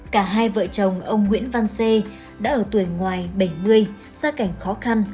cả hai vợ chồng ông nguyễn văn xê đã ở tuổi ngoài bảy mươi gia cảnh khó khăn